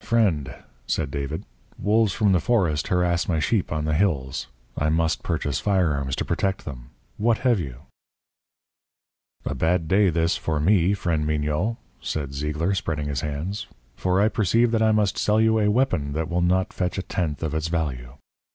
"Friend," said David, "wolves from the forest harass my sheep on the hills. I must purchase firearms to protect them. What have you?" "A bad day, this, for me, friend Mignot," said Zeigler, spreading his hands, "for I perceive that I must sell you a weapon that will not fetch a tenth of its value.